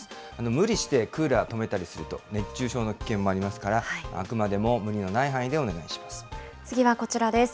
無理してクーラー止めたりすると、熱中症の危険もありますから、あくまでも無理のない範囲でお願いします。